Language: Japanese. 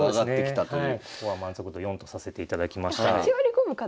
ここは満足度４とさせていただきました。